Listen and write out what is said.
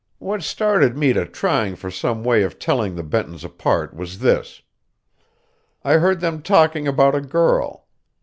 What started me to trying for some way of telling the Bentons apart was this. I heard them talking about a girl.